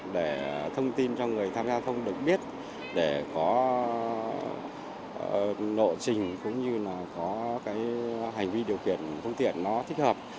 để thông tin cho người tham gia thông đồng biết để có nội trình cũng như là có hành vi điều kiện thông tiện nó thích hợp